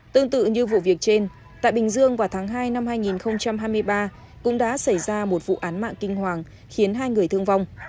tương tự như vụ việc trên tại bình dương vào tháng hai năm hai nghìn hai mươi ba cũng đã xảy ra một vụ án mạng kinh hoàng khiến hai người thương vong